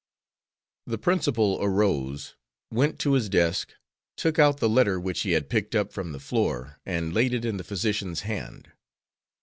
The principal arose, went to his desk, took out the letter which he had picked up from the floor, and laid it in the physician's hand.